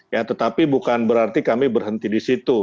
ya tetapi bukan berarti kami berhenti di situ